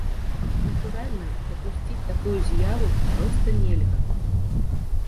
Натуральна, прапусціць такую з'яву проста нельга!